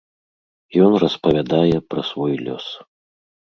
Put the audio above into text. Ён распавядае пра свой лёс.